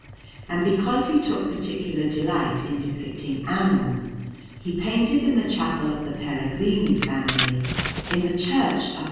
And because he took particular delight in depicting animals, he painted in the Chapel of the Pellegrini family, in the Church of S.